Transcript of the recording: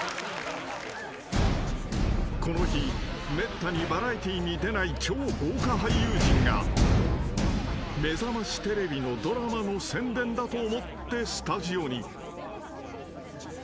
［この日めったにバラエティーに出ない超豪華俳優陣が『めざましテレビ』のドラマの宣伝だと思ってスタジオに］